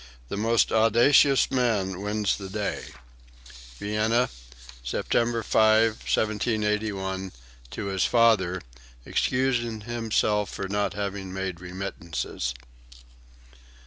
The most audacious man wins the day." (Vienna, September 5, 1781, to his father, excusing himself for not having made remittances.)